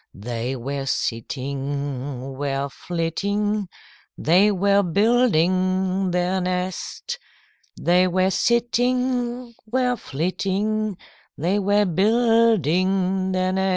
They were sitting, were flitting, They were building their nest. They were sitting, were flitting, They were building their nest."